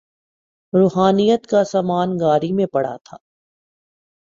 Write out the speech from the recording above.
روحانیت کا سامان گاڑی میں پڑا تھا۔